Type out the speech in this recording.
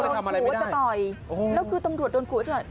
ตำรวจโดนขู่จะต่อยแล้วคือตำรวจโดนขู่จะ